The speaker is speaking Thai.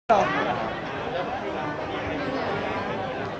สวัสดีกัน